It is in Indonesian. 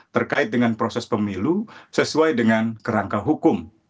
terkait dengan proses pemilu sesuai dengan kerangka hukum